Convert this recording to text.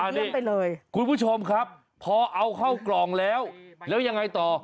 เล่นไปเลยคุณผู้ชมครับพอเอาเข้ากล่องแล้วแล้วยังไงต่อ